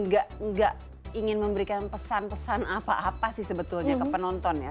nggak ingin memberikan pesan pesan apa apa sih sebetulnya ke penonton ya